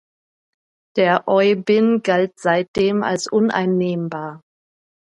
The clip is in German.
Der Oybin galt seitdem als uneinnehmbar.